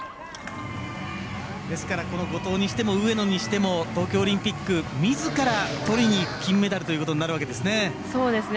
ですから、この後藤にしても上野にしても東京オリンピックみずから取りにいく金メダルということになるわけですね。